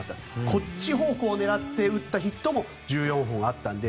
こっち方向を狙って打ったヒットも１４本あったので。